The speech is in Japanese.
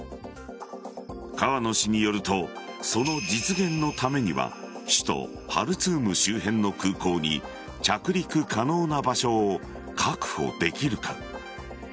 河野氏によるとその実現のためには首都・ハルツーム周辺の空港に着陸可能な場所を確保できるか。